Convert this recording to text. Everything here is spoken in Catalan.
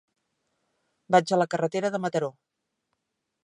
Vaig a la carretera de Mataró.